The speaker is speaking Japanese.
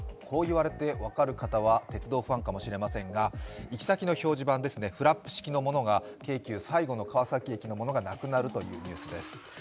こう言われて分かる方は鉄道ファンかもしれませんが行き先の表示板ですね、フラップ式のものが京急最後の川崎駅のものがなくなるというニュースです。